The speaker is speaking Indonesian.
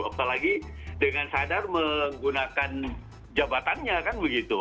apalagi dengan sadar menggunakan jabatannya kan begitu